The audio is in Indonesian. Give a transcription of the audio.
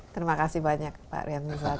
terima kasih banyak pak rian misal